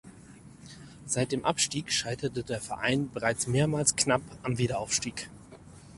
Seit dem Abstieg scheiterte der Verein bereits mehrmals knapp am Wiederaufstieg.